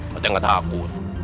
patah gak takut